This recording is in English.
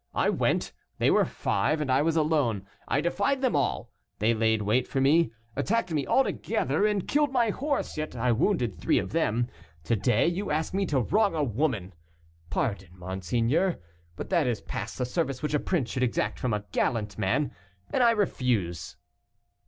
I went; they were five and I was alone. I defied them all; they laid wait for me, attacked me all together, and killed my horse, yet I wounded three of them. To day you ask me to wrong a woman. Pardon, monseigneur, but that is past the service which a prince should exact from a gallant man, and I refuse."